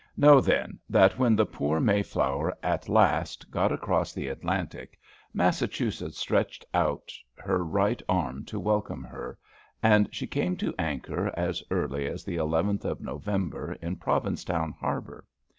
Know then, that when the poor Mayflower at last got across the Atlantic, Massachusetts stretched out her right arm to welcome her, and she came to anchor as early as the 11th of November in Provincetown Harbor.